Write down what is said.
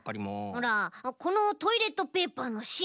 ほらこのトイレットペーパーのしん。